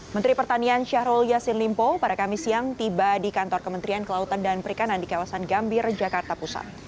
menteri pertanian syahrul yassin limpo pada kamis siang tiba di kantor kementerian kelautan dan perikanan di kawasan gambir jakarta pusat